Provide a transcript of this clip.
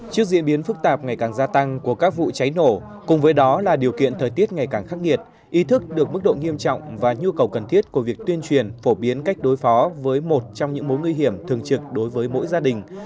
trước diễn biến phức tạp ngày càng gia tăng của các vụ cháy nổ cùng với đó là điều kiện thời tiết ngày càng khắc nghiệt ý thức được mức độ nghiêm trọng và nhu cầu cần thiết của việc tuyên truyền phổ biến cách đối phó với một trong những mối nguy hiểm thường trực đối với mỗi gia đình